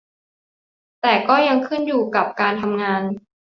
แต่ก็ยังขึ้นอยู่กับการทำงาน